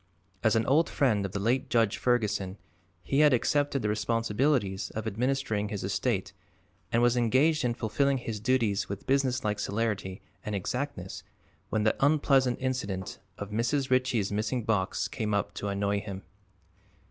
As an old friend of the late Judge Ferguson he had accepted the responsibilities of administering his estate and was engaged in fulfilling his duties with businesslike celerity and exactness when the unpleasant incident of Mrs. Ritchie's missing box came up to annoy him.